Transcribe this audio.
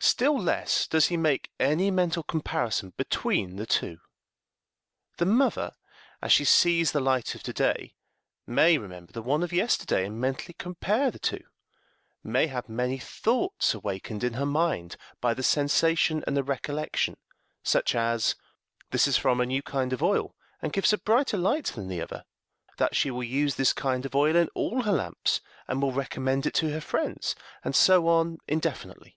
Still less does he make any mental comparison between the two. The mother, as she sees the light of to day, may remember the one of yesterday, and mentally compare the two; may have many thoughts awakened in her mind by the sensation and the recollection such as, this is from a new kind of oil, and gives a brighter light than the other; that she will use this kind of oil in all her lamps, and will recommend it to her friends, and so on indefinitely.